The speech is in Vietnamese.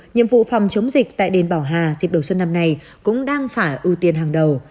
nhiệm vụ phòng chống dịch tại đền bảo hà dịp đầu xuân năm nay cũng đang phải ưu tiên hàng đầu